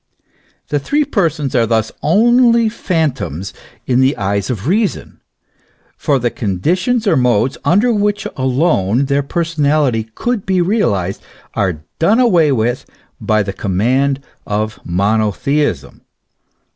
* The three persons are thus only phantoms in the eyes of reason, for the conditions or modes under which alone their personality could be realized, are done away with by the com mand of monotheism.